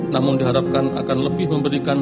namun diharapkan akan lebih memberikan